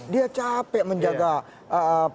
dia capek menjaga pak prabowo